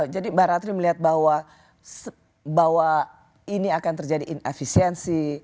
jadi mbak ratri melihat bahwa ini akan terjadi inefisiensi